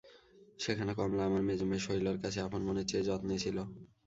সেখানে কমলা, আমার মেজো মেয়ে শৈলর কাছে আপন বোনের চেয়ে যত্নে ছিল।